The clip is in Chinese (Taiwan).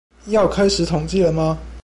要開始統計了嗎？